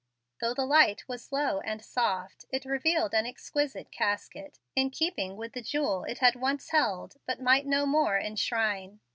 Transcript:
Though the light was low and soft, it revealed an exquisite casket, in keeping with the jewel it had once held, but might no more enshrine.